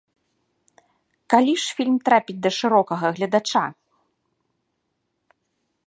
Калі ж фільм трапіць да шырокага гледача?